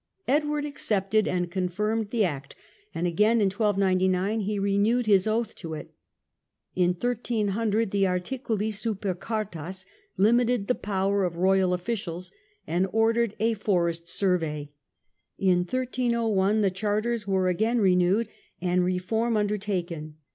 Edward accepted and confirmed the act, and again in 1299 he renewed his oath to it. In 1300, the Articuli super cartas limited the power of royal officials, and ordered a forest survey. In 1301 the charters were again renewed and reform undertaken.